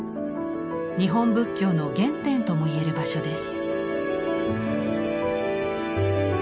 日本仏教の原点ともいえる場所です。